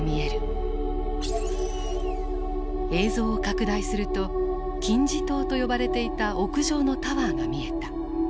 映像を拡大すると金字塔と呼ばれていた屋上のタワーが見えた。